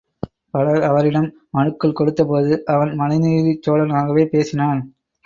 பலர் அவரிடம் மனுக்கள் கொடுத்தபோது, இவன் மனுநீதிச் சோழனாகவே பேசினான்.